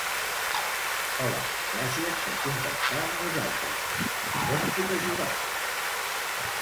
Hola, gràcies per contactar amb nosaltres, com puc ajudar?